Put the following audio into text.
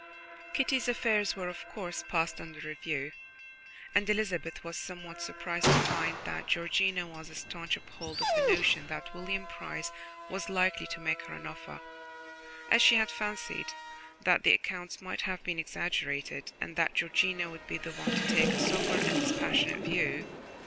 Kitty's affairs were, of course, passed under review, and Elizabeth was somewhat surprised to find that Georgiana was a staunch upholder of the notion that William Price was likely to make her an offer, as she had fancied that the accounts might have been exaggerated, and that Georgiana would be the one to take a sober and dispassionate view.